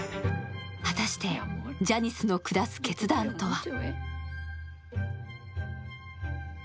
果たしてジャニスの下す決断とは。